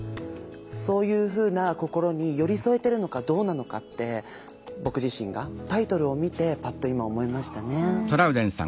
そういうふうな心に寄り添えてるのかどうなのかって僕自身がタイトルを見てパッと今思いましたね。